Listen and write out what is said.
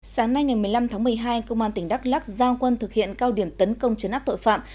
sáng nay ngày một mươi năm tháng một mươi hai công an tỉnh đắk lắc giao quân thực hiện cao điểm tấn công chấn áp tội phạm